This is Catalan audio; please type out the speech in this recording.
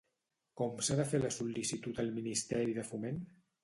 Com s'ha de fer la sol·licitud al Ministeri de Foment?